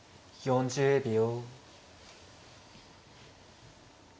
４０秒。